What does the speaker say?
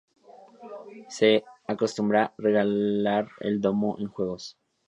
Se acostumbra regalar el Domo en Juegos.